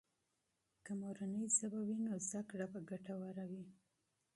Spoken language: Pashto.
که مورنۍ ژبه وي، نو زده کړه به کامیابه وي.